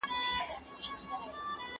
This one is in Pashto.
په خپل ژوند یې د ښار مخ نه و لیدلی